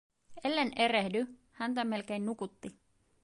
Ellen erehdy, häntä melkein nukutti.